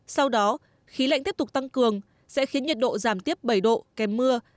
sau đó khí lạnh tiếp tục tăng cường sẽ khiến nhiệt độ giảm tiếp bảy độ kèm mưa